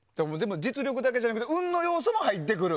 実力だけじゃなくて運の要素も入ってくる。